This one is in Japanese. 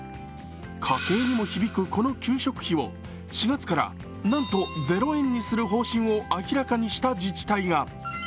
家計にも響くこの給食費を４月からなんと０円にする方針を明らかにした自治体が。